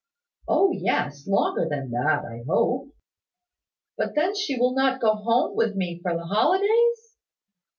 "O yes, longer than that, I hope." "But then she will not go home with me for the holidays?"